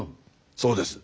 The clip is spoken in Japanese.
そうです。